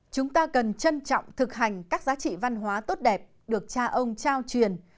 chúng ta cần trân trọng thực hành các giá trị văn hóa tốt đẹp được cha ông trao truyền